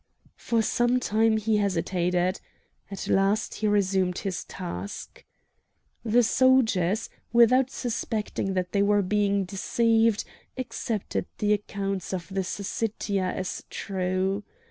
For some time he hesitated. At last he resumed his task. The soldiers, without suspecting that they were being deceived, accepted the accounts of the Syssitia as true.